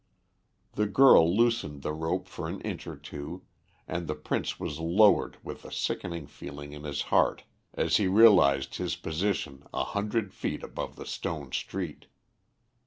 The girl loosened the rope for an inch or two, and the Prince was lowered with a sickening feeling in his heart as he realised his position a hundred feet above the stone street.